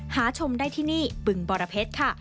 ชมได้ที่นี่บึงบรเพชรค่ะ